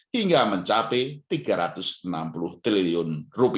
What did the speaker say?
hingga mencapai rp tiga ratus enam puluh triliun